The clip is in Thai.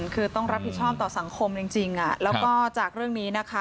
คือต้องรับผิดชอบต่อสังคมจริงแล้วก็จากเรื่องนี้นะคะ